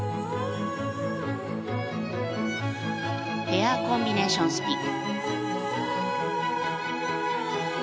ペアコンビネーションスピン。